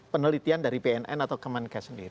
penelitian dari pnn atau kemenka sendiri